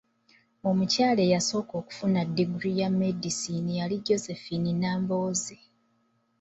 Omukyaala eyasooka okufuna diguli ya medicine yali Josephine Nambooze.